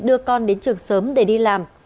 đưa con đến trường sớm để đi làm